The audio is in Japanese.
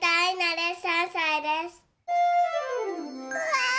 うわ！